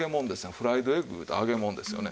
フライドエッグいうたら揚げもんですよね。